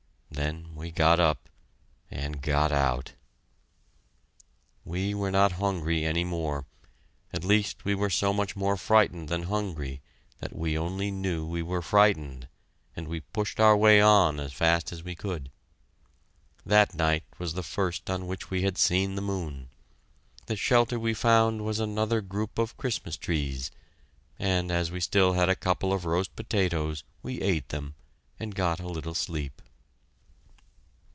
Then we got up, and got out! We were not hungry any more at least we were so much more frightened than hungry that we only knew we were frightened, and we pushed our way on as fast as we could. That night was the first on which we had seen the moon. The shelter we found was another group of Christmas trees, and as we still had a couple of roast potatoes we ate them, and got a little sleep.